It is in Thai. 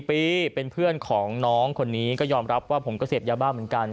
ปีเป็นเพื่อนของน้องคนนี้ก็ยอมรับว่าผมก็เสพยาบ้าเหมือนกัน